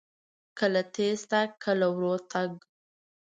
کله تیز تګ، کله ورو تګ.